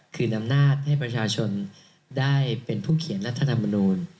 คือนำนาจให้ประชาชนได้เป็นผู้เขียนรัฐธรรมนูล